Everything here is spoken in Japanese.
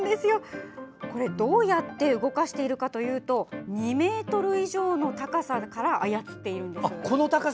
これ、どうやって動かしているかというと２ｍ以上の高さから操っているんです。